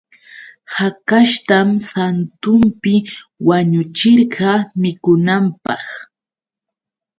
Hakashtam santunpi wañuchirqa mikunanpaq.